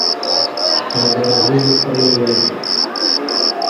Ntabwo navuze ko nibagiwe